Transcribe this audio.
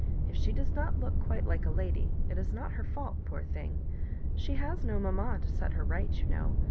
If she does not look quite like a lady, it is not her fault, poor thing. She has no mamma to itet her right, you know.